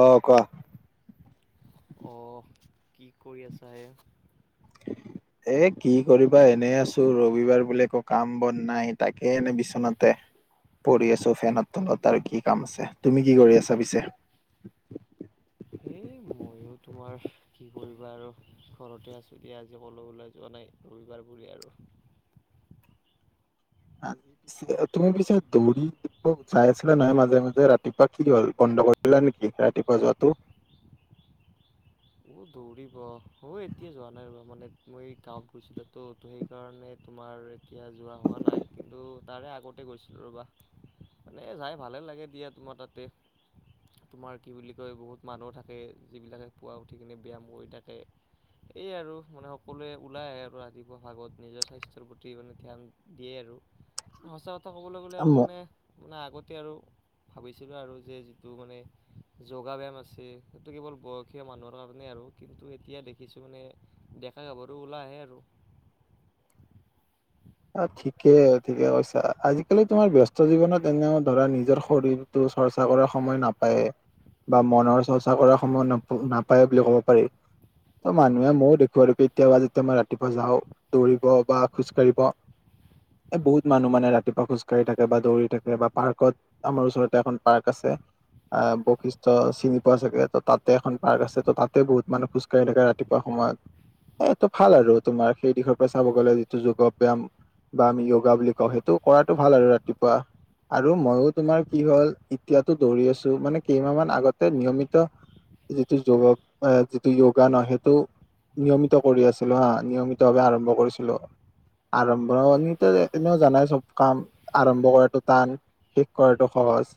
অহ, কোৱা। অহ, কি কৰি আছা হে? [inaudible] এ কি কৰিবা এনেই আছো ৰবিবাৰ বোলে একো কাম বন নাই তাকে এনে বিচনাতে পৰি আছো ফেনত তলত আৰু কি কাম আছে তুমি কি কৰি আছা পিছে? এ ময়ো তোমাৰ কি কৰিবা আৰু ঘৰতে আছো দিয়া আজি কলো ওলাই যোৱা নাই। ৰবিবাৰ বুলি আৰু [unintelligible] পিছে তুমি পিছে দৌৰি দ যাই আছিলা নাই মাজে মাজে ৰাতিপুৱা কি হল পাহৰিলা নেকি ৰাতিপুৱা যোৱাটো অ দৌৰিব অ' এতিয়া যোৱা নাই আৰু মানে মই গাঁৱত গৈছিলো তো ত সেইকাৰণে তোমাৰ এতিয়া যোৱা হোৱা নাই কিন্তু তাৰে আগতে গৈছিলোঁ ৰ'বা মানে যাই ভালে লাগে দিয়া তোমাৰ তাতে তোমাৰ কি বুলি কয় বহুত মানুহ থাকে যিবিলাকে পুৱা উঠি কিনে ব্যায়াম কৰি থাকে। এই আৰু মানে সকলোৱে ওলাই আৰু ৰাতিপুৱা ভাগত নিজৰ স্বাস্থ্যৰ প্ৰতি মানে ধ্যান দিয়ে আৰু সঁচা কথা ক'বলৈ গ'লে আৰু মানে মানে আগতে আৰু ভাবিছিলো আৰু যে তোৰ মানে যোগা ব্যায়াম আছে সেইটো কেৱল বয়সীয়া মানুহৰ কাৰণে আৰু কিন্তু এতিয়া দেখিছো মানে ডেকা গাভৰো ওলাই আহে আৰু [inaudible] অ ঠিকেই ঠিকে কৈছা আজিকালি তোমাৰ ব্যস্ত জীৱনত এনেও ধৰা নিজৰ শৰীৰটো চৰ্চা কৰাৰ সময় নাপায়। বা মনৰ চৰ্চা কৰাৰ সময় নাপায় বুলি কব পাৰি। ত মানুহে ময়ো দেখো আৰু কেতিয়াবা যেতিয়া মই ৰাতিপুৱা যাও দৌৰিব বা খোজ কাঢ়িব। [inaudible] এ বহুত মানুহ মানে ৰাতিপুৱা খোজকাঢ়ি থাকে বা দৌৰি থাকে বা পাৰ্কত আমাৰ ওচৰতে এখন পাৰ্ক আছে। আহ বৈশিষ্ট্য চিনি পোৱা চাগে ততে এখন পাৰ্ক আছে ত' তাতে বহুত মানুহ খোজ কঢ়ি থাকে ৰাতিপুৱা শুই সময়ত এটো ভাল আৰু তোমাৰ সেই দিশৰ পৰা চাব গ'লে যিটো যোগ ব্যায়াম বা আমি ইয়গা বুলি কওঁ সেইটো কৰাটো ভাল আৰু ৰাতিপুৱা আৰু ময়ো তোমাৰ কি হল এতিয়াতো দৌৰি আছো মানে কেইমাহ মান আগতে নিয়মিত যিটো যোগ যিটো যোগা ন সেইটো নিয়মিত কৰি আছিলো হা নিয়মিতভাৱে আৰম্ভ কৰিছিলো আৰম্ভিত এনেও জানাই চব কাম আৰম্ভ কৰাটো টান শেষ কৰাটো সহজ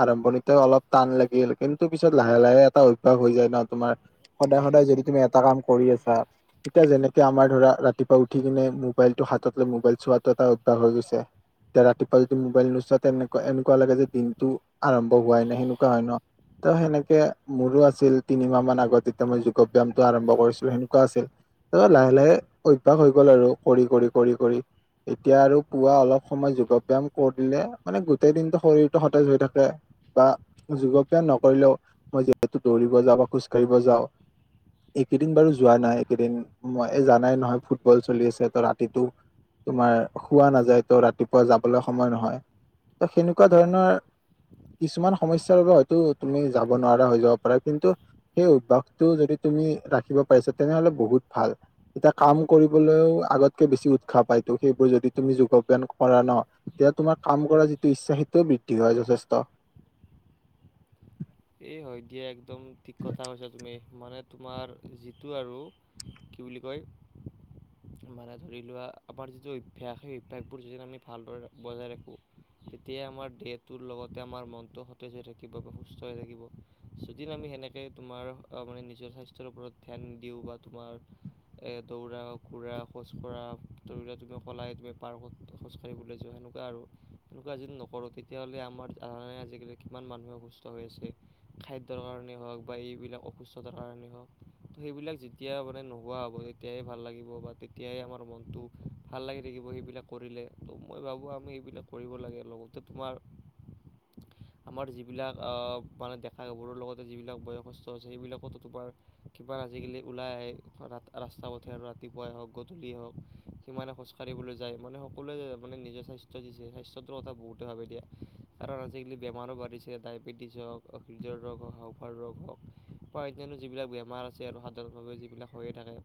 আৰম্ভণিতে অলপ টান লাগিল কিন্তু পিছত লাহে লাহে এটা অভ্যাস হৈ যায় ন তোমাৰ সদায় সদায় যদি তুমি এটা কাম কৰি আছা এতিয়া যেনেকে আমাৰ ধৰা ৰাতিপুৱা উঠি কিনে মুখ মোবাইলটো হাতত লৈ মোবাইল চোৱাটো এটা অভ্যাস হৈ গৈছে এতিয়া ৰাতিপুৱা যদি মোবাইল নোচোৱা তেনেকুৱা এনেকুৱা লাগে যে দিনটো আৰম্ভ হোৱাই নাই সেনেকুৱা হয় ন তো সেনেকে মোৰো আছিল তিনিমাহ মান আগতে এতিয়া মই যোগ ব্যায়ামটো আৰম্ভ কৰিছিলো সেনেকুৱা আছিল অ লাহে লাহে অভ্যাস হৈ গ'ল আৰু কৰি কৰি কৰি কৰি এতিয়া আৰু পুৱা অলপ সময় যোগ ব্যায়াম কৰিলে মানে গোটেই দিনটো শৰীৰটো সতেজ হৈ থাকে বা যোগ ব্যায়াম নকৰিলেও মই যিহেতু দৌৰিব যাওঁ বা খোজ কঢ়িব যাওঁ একেইদিন বাৰু যোৱা নাই একেইদিন মই জানাই নহয় ফুটবল চলি আছে ৰাতিতটো তোমাৰ শুৱ নাযায় তো ৰাতিপুৱা যাবলৈ সময় নহয় ত সেনেকুৱা ধৰণৰ কিছুমান সমস্যাৰ বাবে হয়তো তুমি যাব নোৱাৰা হৈ যাব পাৰা কিন্তু সেই অভ্যয়াসটো যদি তুমি ৰাখিব পাৰিছা তেনেহলে বহুত ভাল এতিয়া কাম কৰিবলৈও আগত কে বেছি উৎসাহ পাইতো সেইবোৰ যদি তুমি যোগ ব্যায়াম কৰা ন তেতিয়া তোমাৰ কাম কৰা যিটো ইচ্ছা সেটো [unintelligible] চেষ্টা এই হয় দিয়া একদম ঠিক কথা কৈছা তুমি মানে তোমাৰ যিটো আৰু কি কয় [unintelligible] মানে ধৰি লোৱা আমাৰ যিটো অভ্যাস সেই অভ্যাসবোৰ যদি আমি ভালদৰে বজাই ৰাখো তেতিয়াাই আমাৰ দেহটোৰ লগতে আমাৰ মনতো সতেজ হৈ থাকিব বাবে সুস্থ কষ্টয়ে থাকিব যদি আমি সেনেকে তোমাৰ মানে নিজৰ স্বাস্থ্যৰ ওপৰত ধ্যান দিওঁ বা তোমাৰ এ দৌৰা ঘূৰা খোজকঢ়া তুমি ধৰিলা সলাই তুমি পাৰ খোজকাঢ়িবলৈ যোৱা আৰু তেনেকুৱা যদি নকৰোঁ তেতিয়াহ'লে আমাৰ ধৰণে আজিকালি কিমান মানুহে কৈছে অসুস্থ হৈ আছে খাদ্যৰ কাৰণেই হওঁক বা এইবিলাক অসুস্থতাৰ কাৰণেই হওঁক সেইবিলাক যেতিয়া লে নোহোৱা হ'ব তেতিয়াই ভাল লাগিব বা তেতিয়াই আমাৰ মনটো ভাল লাগি থাকিব সেইবিলাক কৰিলে। ত' মই ভাবো আমি এইবিলাক কৰিব লাগে লগতে তোমাৰ [inaudible] আমাৰ যিবিলাক মানে দেখা গাভৰুৰ লগতে যিবিলাক বয়সস্থ আছে সেইবিলাকতো তোমাৰ কিবা আজিকালি ওলাই ৰাস্তা পথে আৰু ৰাতিপুৱাই হওক গধূলি হওক সিমানে খোজ কঢ়িবলৈ যায় মানে সকলোৱে মানে নিজৰ স্বাস্থ্য দিছে। স্বাস্থ্যটোৰ কথা বহুতে ভাবে দিয়া। কাৰণ আজিকালি বেমাৰো বাঢ়িছে ডায়েবেটিছ হওক হৃদয়ৰ ৰোগ হওক হাফাৰ ৰোগ হওক বা অন্যান্য যিবিলাক বেমাৰ আছে আৰু সাধাৰণ যিবিলাক হৈয়ে থাকে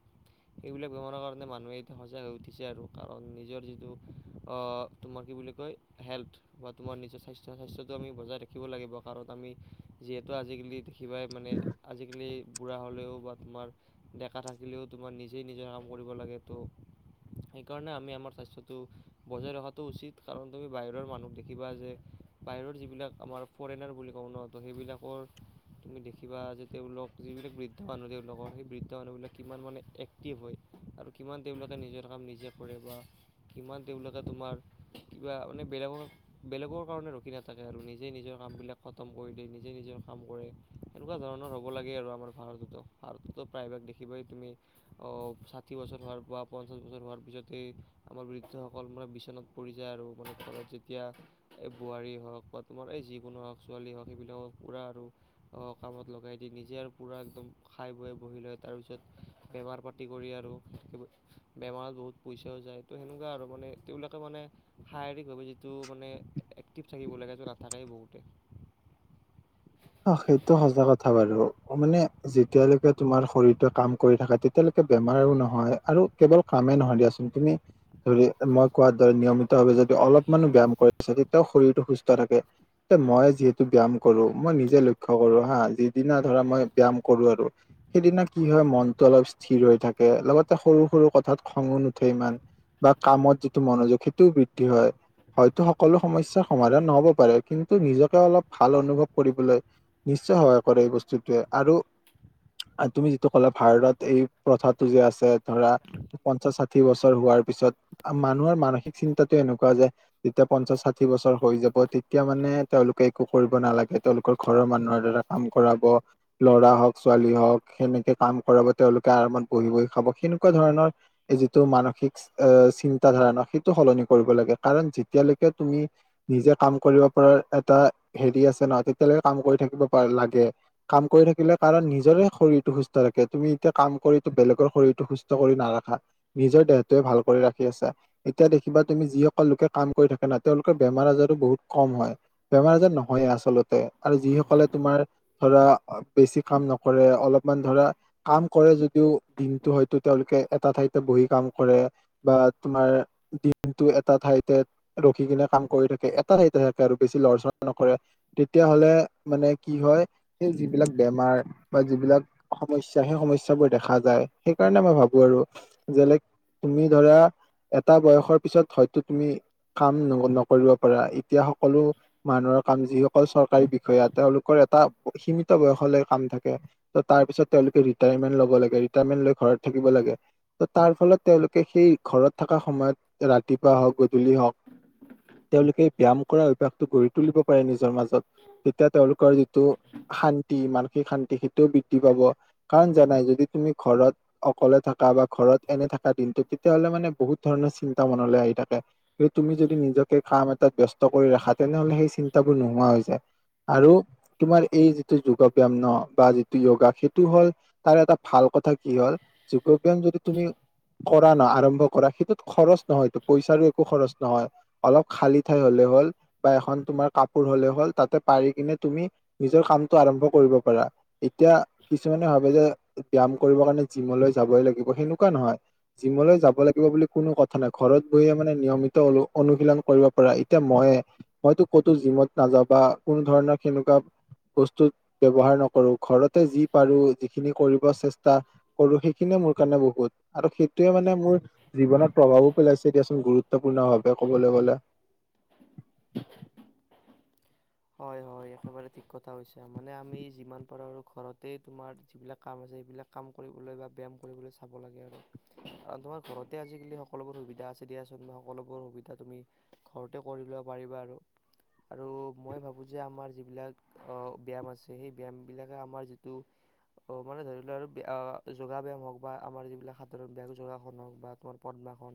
সিবিলাক বেমাৰৰ কাৰণে মানুহে এতিয়া সজাগ হৈ উঠিছে আৰু কাৰণ নিজৰ যিটো আহ তোমাৰ কি বুলি কয় হেল্থ বা তোমাৰ নিজৰ স্বাস্থ্য স্বাস্থ্যটো আমি বজাই ৰাখিম। শিকিব লাগিব কাৰণ আমি যিহেতু আজিকালি দেখিবাই মানে আজিকালি বুঢ়া হ'লেও বা তোমাৰ ডেকা থাকিলেও তোমাৰ নিজেই নিজে কাম কৰিব লাগে তো সেইকাৰণে আমি আমাৰ স্বাস্থ্যটো বজাই ৰখাটো উচিত কাৰণ তুমি বাহিৰৰ মানুহক দেখিবা যে বাহিৰৰ যিবিলাক আমাৰ ফৰেনাৰ বুলি কওঁ ন তো সেইবিলাকৰ তুমি দেখিবা যে তেওঁলোক যিবিলাক বৃদ্ধ মানুহ তেওঁলোকৰ সেই বৃদ্ধ মানুহবিলাক কিমান মানে এক্টিভ হয়। আৰু কিমান তেওঁলোকে নিজৰ কাম নিজে কৰে বা কিমান তেওঁলোকে তোমাৰ কিবা মানে বেলেগৰ বেলেগৰ কাৰণে ৰখি নাথাকে আৰু নিজেই নিজৰ কামবিলাক খতম কৰি দেই নিজে নিজৰ কাম কৰে। এনেকুৱা ধৰণৰ হ'ব লাগে আৰু আমাৰ ভাৰততো ভাৰততো। প্ৰায়ভাগ দেখিবই তুমি অ ষাঠি বছৰ হোৱাৰ বা পঞ্চাশ বছৰ হোৱাৰ পিছতে আমাৰ সকল মানে বিচনাত পৰি যায় আৰু মানে ঘৰত যেতিয়া এই বোৱাৰী হওক বা তোমাৰ এই যি আ হওক ছোৱালী হওক সেইবিলাকক পুৰা আৰু কামত লগাই দি নিজে আৰু পুৰা একদম খাই বৈ বহি লয় তাৰপিছত বেমাৰ পাতি কৰি আৰু বেমাৰত বহুত পইচাও যায় ত সেনে আৰু মানে তেওঁলোকে মানে শাৰীৰিকভাৱে যিটো মানে এক্টিভ থাকিব লাগে নাথাকে বহুত [unintelligible] অ সেইটো সজা কথা বাৰু মানে যেতিয়ালৈকে তোমাৰ শৰীৰটোৱে কাম কৰি থাকে তেতিয়ালৈকে বেমাৰ আৰু নহয় আৰু কেৱল কামে নহয় দিয়াচোন তুমি ধৰি মই কোৱাৰ দৰে নিয়মিত ভাৱে যদি অলপ মানহ ব্যায়াম কৰিছা তেতিয়াও শৰীৰটো সুস্থ থাকে। মই যিহেতু ব্যয়াম কৰো মই নিজে লক্ষ্য কৰো হা যিদিনা ধৰা মই ব্যায়াম কৰো আৰু সেইদিনা কি হয় মনতটো অলপ স্থিৰ হৈ থাকে লগতে সৰু সৰু কথাত খঙো নুঠে ইমান। বা কামত যিটো মনোযোগ সেইটোও বৃদ্ধি হয়। হয়তো সকলো সমস্যা সমাধান নহব পাৰে কিন্তু নিজকে অলপ ভাল অনুভৱ কৰিবলৈ নিশ্চয় সহায় কৰে এই বস্তুটোৱে আৰু তুমি যিটো ক'লো ভাৰতত এই প্ৰথাটো যে আছে ধৰা পঞ্চাশ ষাঠি বছৰ হোৱাৰ তাৰ পিছত মানুহৰ মানসিক চিন্তাটো এনেকুৱা যেতিয়া পঞ্চাশ ষাঠি বছৰ হৈ যাব তেতিয়া মানে মানে তেওঁলোকে একো কৰিব নালাগে। তেওঁলোকৰ ঘৰৰ মানুহৰ দ্বাৰা কাম কৰাব ল'ৰা হওক ছোৱালী হওঁক সেনেকে কাম কৰাব তেওঁলোক আৰামত বহি বহি খাব সেনেকুৱা ধৰণৰ যিটো মানসিক আহ চিন্তা ধাৰণা সেইটো সলনি কৰিব লাগে কাৰণ যেতিয়ালৈকে তুমি নিজে কাম কৰিব পাৰাৰ এটা হেৰি আছে নহ এতিয়ালৈকে কাম কৰি থাকিব পা লাগে কাম কৰি থাকিলে কাৰণ নিজৰে শৰীৰটো সুস্থ থাকে তুমি এতিয়া কাম কৰিটো বেলেগৰ শৰীৰটো সুস্থ কৰি নাৰাখা নিজৰ দেহটোৱে ভাল কৰি ৰাখি আছা এতিয়া দেখিবা তুমি যিসকল লোকে কাম কৰি থাকে না তেওঁলোকৰ বেমাৰ আজাৰো বহুত কম হয়। বেমাৰ আজাৰ নহয়ে আচলতে আৰু যিসকলে তোমাৰ ধৰা বেছি কাম নকৰে অলপমান ধৰা কাম কৰে যদিও দিনটো হয়তো তেওঁলোকে এটা ঠাইতে বহি কাম কৰে বা তোমাৰ দি কিন্তু এটা ঠাইতে ৰখি কিনে কাম কৰি থাকে এটা ঠাইতে থাকে আৰু বেছি লৰচৰ নকৰে তেতিয়াহলে মানে কি হয় সেই যিবিলাক বেমাৰ বা যিবিলাক সমস্যা সেই সম সমস্যা বোৰ দেখা যায়। সেইকাৰণে মই ভাবো আৰু যেলেক তুমি ধৰা এটা বয়সৰ পিছত হয়তো তুমি কাম নকৰিব পাৰা এতিয়া সকলো মানুহৰ কাম যিও অকল চৰকাৰী বিষয়া তেওঁলোকৰ এটা সীমিত বয়সলৈ কাম থাকে ত তাৰপিছত তেওঁলোকে ৰিটায়াৰ মেণ্ট ল'ব লাগে ৰিতাইয়াৰমেণ্ট লৈ ঘৰত থাকিব লাগে তাৰ ফলত তেওঁলোকে সেই ঘৰত থকা সময়ত ৰাতিপুৱা হওক গধূলি হওক তেওঁলোকে ব্যয়াম কৰা অভ্যাসটো গঢ়ি তুলিব পাৰে নিজৰ মাজ তেতিয়া তেওঁলোকৰ যিটো শান্তি মান সিক শান্তি সেইটোও বৃদ্ধি পাব কাৰণ জানাই যদি তুমি ঘৰত অকলে থাকা বা ঘৰত এনে থকা দিনটো তেতিয়াহ'লে মানে বহুত ধৰণৰ চিন্তা মনলৈ আহি থাকে কি তুমি যদি নিজকে কাম এটাত ব্য স্ত কৰি ৰাখা তেনেহলে সেই চিন্তাবোৰ নোহোৱা হৈ যায় আৰু তোমাৰ এই যিটো যোগ ব্যায়াম ন বা যিটো য়গা সেইটো হ'ল তাৰ এটা ভাল কথা কথা কি হল যোগ ব্যায়াম যদি তুমি কৰা ন আৰম্ভ কৰা সেইটোত খৰচ নহয় এইটো পইচাৰো একো খৰচ নহয় অলপ খালী ঠাই হলে হ'ল বা এখন তোমাৰ কাপোৰ হ'লে হ'ল তাতে পাৰি কিনে তুমি নিজৰ কামটো আৰম্ভ কৰিব পাৰা এতিয়া কিছুমানে ভাবে যে ব্যায়াম কৰিব কাৰণে জিমলৈ যাবই লাগিব সেনেকোৱা নহয় জিমলৈ যাব লাগিব বুলি কোনো কথা নাই ঘৰত বহিয়ে মানে নিয়মিত অনু অনুশীলন কৰিব পাৰ এতিয়া মইে মইতো ক'তো জিমত নাযাও বা কোনো ধৰণৰ কেনেকোৱা বস্তু ব্যৱহাৰ নকৰো ঘৰতে যি পাৰো যিখিনি কৰিব চেষ্টা কৰো সেইখিনি মোৰ কাৰণে বহুত আৰু সেইটোয়ে মানে মোৰ জীৱনত প্ৰভাৱো পেলাইছে দিয়াচোন গুৰুত্বপূৰ্ণ ভাৱে ক'ব ব বলা হয় হয় একেবাৰে ঠিক কথা হৈছে মানে আমি যিমান পাৰো ঘৰতে তোমাৰ যিবিলাক কাম আছে সেইবিলাক কাম কৰিবলৈ বা ব্যায়াম কৰিবলৈ চাব লাগে আৰু তোমাৰ ঘৰতে আজিকালি সকলোবোৰ সুবিধা আছে দিয়াচোন বা সকলোবোৰ সুবিধা তুমি ঘৰতে কৰি লব পাৰিবা। আৰু মই ভাবো যে আমাৰ যিবিলাক ব্যায়াম আছে সেই ব্যায়ামবিলাকে আমাৰ যিটো অ মানে ধৰি লোৱা আৰু যোগা ব্যায়াম হওক বা আমাৰ যিবিলাক সাধাৰণ ব যোগাসন হওক বা তাৰ- বাখন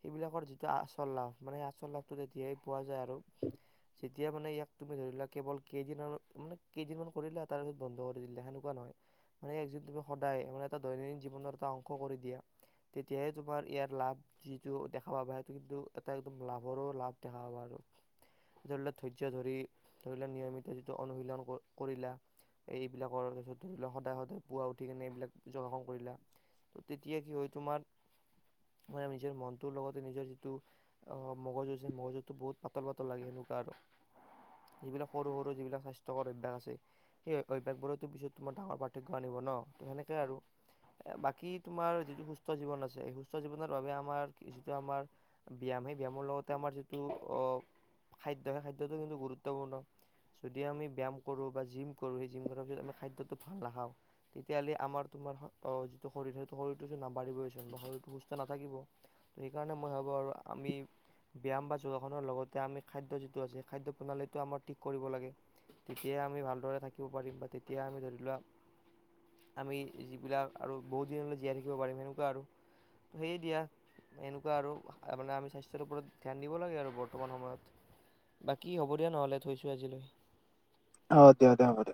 সেইবিলাকৰ যিটো আচল লাভ মানে আচল লাভটো তেতিয়াই পোৱা যায় আৰু যে এতিয়া মানে ইয়াক তুমি ধৰিলোৱা কেৱল কেইদিনমান মানে কেইদিনমান কৰিলে তাৰপাছত বন্ধ কৰি দিলে সেনেকোৱা নহয়। মানে এক যিটো সদায় মানে এটা দৈনন্দিন জীৱনৰ এটা অংশ কৰি দিয়া। তেতিয়াহে তোমাৰ ইয়াৰ লাভ যিটো দেখা পাবা সেইটো কিন্তু এটা একদম লাভৰো লাভ দেখা পাবা। [inaudible] ধৰি লোৱা ধৈৰ্য্য ধৰি ধৰিল নিয়মিত যিটো অনুশীলন কৰিলা এইবিলাকত ধৰি ল সদায় সদায় পুৱা উঠি কেনে এইবিলাক যোগাসন কৰিলা ত তেতিয়া কি হয় তোমাৰ মানে নিজৰ মনটোৰ লগতে নিজৰ যিটো অ মগজু সেই মগজোটো বহুত পাতল পাতল লাগে সেনেকোৱা আৰু [inaudible] যিবিলাক সৰু সৰু যিবিলাক স্বাস্থ্যকৰ অভ্যাস আছে সেই অভ্যাস বোৰতো পিছত তোমাৰ ডাঙৰ পাৰ্থক্য আনিব ন- সেনেকে আৰু বাকী তোমাৰ যিটো সুস্থ জীৱন আছে সুস্থ জীৱনৰ বাবে আমাৰ যিটো আমাৰ ব্যা আমি ব্যায়াম সেই ব্যায়ামৰ লগতে আমাৰ যিটো অ খাদ্য সেই খাদ্যটো কিন্তু গুৰুত্বপূৰ্ণ- যদি আমি ব্যায়াম কৰো বা জিম কৰো সেই জিম কৰ পিছত আমি খাদ্যটো ভাল নাখাওঁ তেতিয়াহ'লে আমাৰতো তোমাৰ যিটো শৰীৰ সেইটো শৰীৰটো নাবাঢ়িবই হৈছে শৰীৰটো সুস্থ নাথাকিব ত' সেইকাৰণে মই ভাবো আৰু- আৰু আমি ব্যায়াম বা যোগাসনৰ লগতে আমি খাদ্য যিটো আছে খাদ্য প্ৰণালীটো আমাৰ ঠিক কৰিব লাগে। তেতিয়াই আমি ভালদৰে থাকিব পাৰিম বা তেতিয়া আমি ধৰি লোৱা আমি যিবিলাক আৰু বহুত দিনলৈ জীয়াই থাকিব পাৰিম সেনেকোৱা আৰু ত সেয়ে দিয়া এনেকোৱা আৰু মানে আমি স্বাস্থ্যৰ ওপৰত ধ্যান দিব লাগে আৰু বৰ্তমান সময়ত- বাকী হ'ব দিয়া নহলে থৈছো আজিলৈ। অ দে হ'ব দে